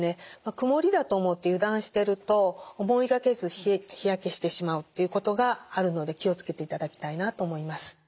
曇りだと思って油断してると思いがけず日焼けしてしまうっていうことがあるので気を付けていただきたいなと思います。